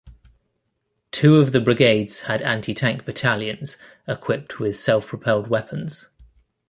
Two of the brigades had antitank battalions equipped with self-propelled weapons.